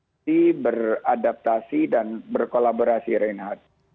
covid sembilan belas ini memaksa kita untuk berimprovisi beradaptasi dan berkolaborasi reinhard